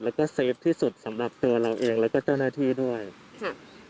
แล้วก็เซฟที่สุดสำหรับตัวเราเองแล้วก็เจ้าหน้าที่ด้วยค่ะ